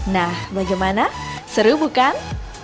nah bagaimana seru bukan